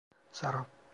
Sara.